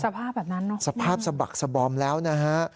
สภาพแบบนั้นเนอะสภาพสะบักสบอมแล้วนะฮะ